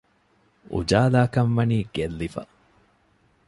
އުޖާލާކަންވަނީ ގެއްލިފަ